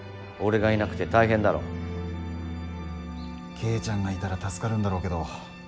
圭ちゃんがいたら助かるんだろうけど。